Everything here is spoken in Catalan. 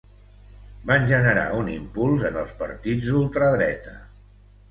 van generar un impuls en els partits d'ultradreta